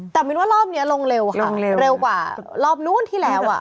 แต่มินว่ารอบนี้ลงเร็วค่ะเร็วกว่ารอบนู้นที่แล้วอ่ะ